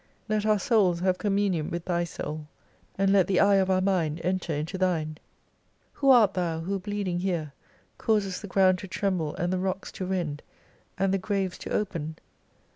Let our souls have communion with Thy soul, and let the eye of our mind enter into Thine. Who art Thou who bleeding here causest the ground to tremble and the rocks to rend, and the graves to open